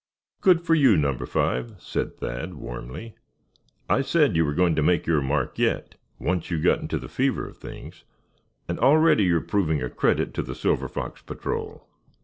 "Good for you, Number Five," said Thad, warmly. "I said you were going to make your mark yet, once you got into the fever of things; and already you're proving a credit to the Silver Fox Patrol."